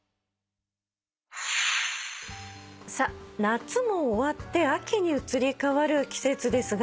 夏も終わって秋に移り変わる季節ですが。